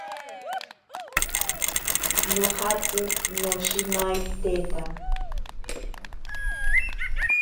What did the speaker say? Nojatsi noshimaiteta.